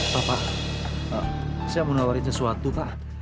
bapak saya mau nawarin sesuatu pak